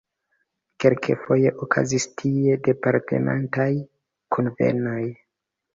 Kelkfoje okazis tie departementaj kunvenoj.